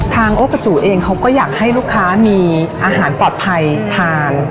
โอกาจูเองเขาก็อยากให้ลูกค้ามีอาหารปลอดภัยทาน